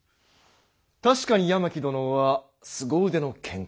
確かに八巻殿はすご腕の剣客。